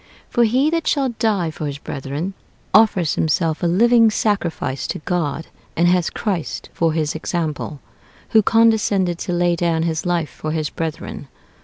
For he that shall die for his brethren, offers himself a living sacrifice to God, and has Christ for his example, who condescended to lay down his life for his brethren.